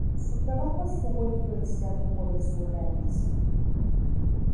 Su trabajo estuvo influenciado por el Surrealismo.